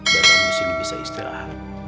dan kamu disini bisa istirahat